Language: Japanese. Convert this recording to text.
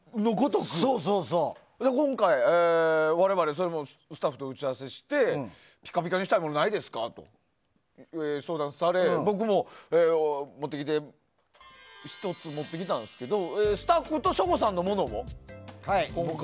今回、我々スタッフと打ち合わせしてピカピカにしたいものないですか？と相談され僕も１つ持ってきましたけどスタッフと省吾さんのものを今回。